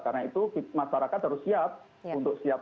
karena itu masyarakat harus siap